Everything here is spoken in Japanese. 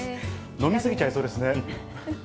飲み過ぎちゃいそうですね。